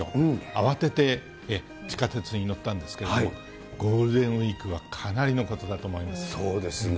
慌てて地下鉄に乗ったんですけど、ゴールデンウィークはかなりのこそうですね。